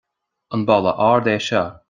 An balla ard é seo